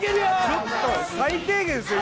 ちょっと最低限すよ